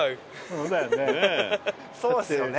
そうですよね。